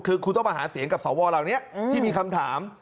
คือคุณต้องมาหาเสียงกับสวเหล่านี้ที่มีคำถาม